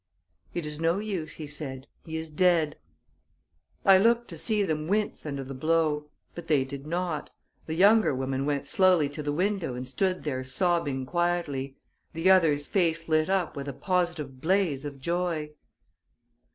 "It is no use," he said. "He is dead." I looked to see them wince under the blow; but they did not. The younger woman went slowly to the window and stood there sobbing quietly; the other's face lit up with a positive blaze of joy.